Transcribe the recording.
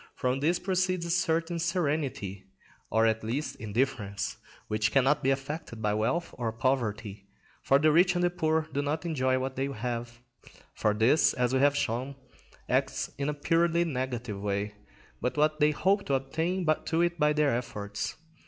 From this proceeds a certain serenity, or at least indifference, which cannot be affected by wealth or poverty; for the rich and the poor do not enjoy what they have, for this, as we have shown, acts in a purely negative way, but what they hope to attain to by their efforts.